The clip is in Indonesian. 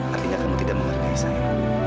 artinya kamu tidak menghargai saya